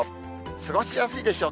過ごしやすいでしょう。